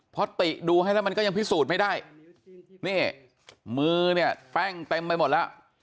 พอติดูให้แล้วมันก็ยังพิสูจน์ไม่ได้นี่มือเนี่ยแป้งเต็มไปหมดแล้ว